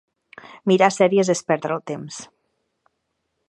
Mirar sèries és perdre el temps.